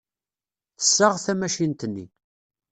Tessaɣ tamacint-nni.